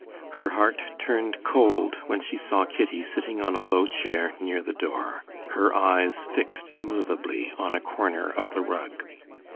Her heart turned cold when she saw Kitty sitting on a low chair near the door, her eyes fixed immovably on a corner of the rug.